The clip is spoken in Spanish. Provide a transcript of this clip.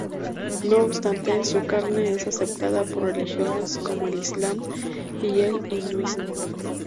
No obstante su carne es aceptada por religiones como el Islam y el hinduismo.